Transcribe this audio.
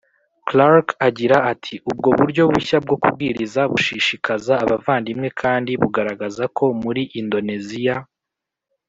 Clark agira ati ubwo buryo bushya bwo kubwiriza bushishikaza abavandimwe kandi bugaragaza ko muri indoneziya